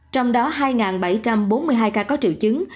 trong đó hai bảy trăm bốn mươi hai ca có triệu chứng